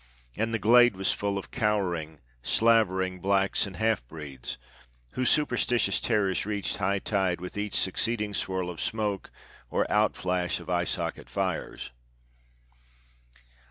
And the glade was full of cowering, slavering blacks and half breeds, whose superstitious terrors reached high tide with each succeeding swirl of smoke or outflash of eye socket fires.